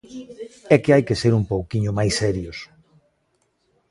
É que hai que ser un pouquiño máis serios.